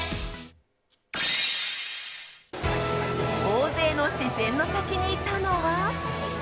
大勢の視線の先にいたのは。